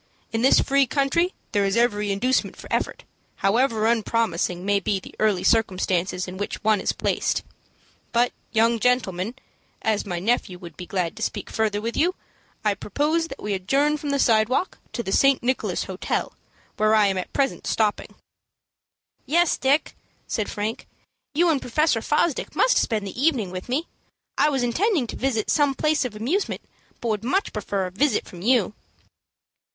In this free country there is every inducement for effort, however unpromising may be the early circumstances in which one is placed. But, young gentlemen, as my nephew would be glad to speak further with you, I propose that we adjourn from the sidewalk to the St. Nicholas Hotel, where I am at present stopping." "Yes, Dick," said Frank, "you and Professor Fosdick must spend the evening with me. I was intending to visit some place of amusement, but would much prefer a visit from you."